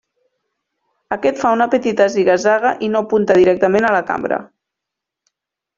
Aquest fa una petita ziga-zaga i no apunta directament a la cambra.